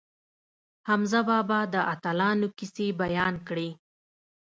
حمزه بابا د اتلانو کیسې بیان کړې.